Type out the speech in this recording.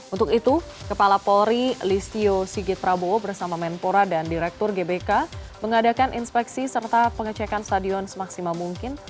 untuk itu kepala polri listio sigit prabowo bersama menpora dan direktur gbk mengadakan inspeksi serta pengecekan stadion semaksimal mungkin